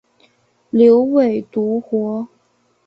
牛尾独活